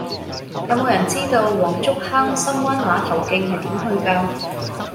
有無人知道黃竹坑深灣碼頭徑係點去㗎